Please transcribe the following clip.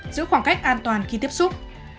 giữ khoảng cách an toàn khi tiếp xúc